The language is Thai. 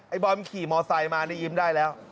ไอ่บอยมันขี่มอเซ้มานี่ยิ้มได้แล้ว